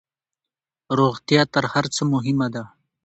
روغتيا تر هرڅه مهمه ده